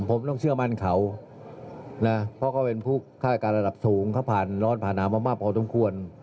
ผมต้องเชื่อว่ามั่นเขานะครับเพราะเขาเป็นผู้ข้าดาการระดับสูงเขาผ่านร้อนผ่านหนังมากพอมีเกิดขึ้น